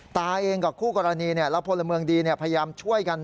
ตาเองกับคู่กรณีแล้วพลเมืองดีพยายามช่วยกัน